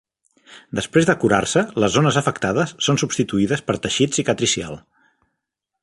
Després de curar-se, les zones afectades són substituïdes per teixit cicatricial.